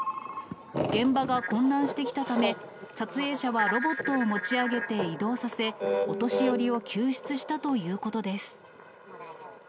現場が混乱してきたため、撮影者はロボットを持ち上げて移動させ、お年寄りを救出したということです。